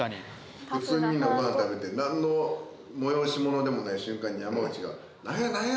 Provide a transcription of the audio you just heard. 普通にみんなごはん食べてなんの催し物でもない瞬間に山内が「なんや？